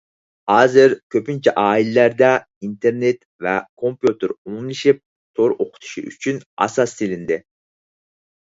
ھازىر كۆپىنچە ئائىلىلەردە ئىنتېرنېت ۋە كومپيۇتېر ئومۇملىشىپ، تور ئوقۇتۇشى ئۈچۈن ئاساس سېلىندى.